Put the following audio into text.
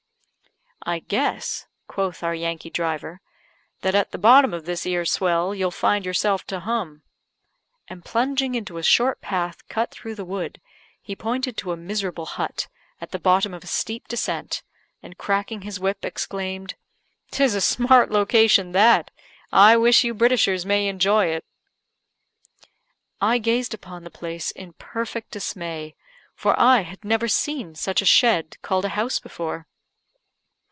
"I guess," quoth our Yankee driver, "that at the bottom of this 'ere swell, you'll find yourself to hum;" and plunging into a short path cut through the wood, he pointed to a miserable hut, at the bottom of a steep descent, and cracking his whip, exclaimed, "'Tis a smart location that. I wish you Britishers may enjoy it." I gazed upon the place in perfect dismay, for I had never seen such a shed called a house before.